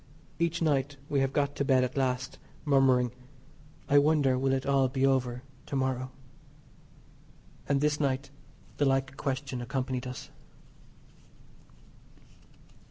Each night we have got to bed at last murmuring, "I wonder will it be all over to morrow," and this night the like question accompanied us.